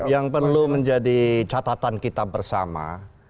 yang perlu menjadi catatan kita bersama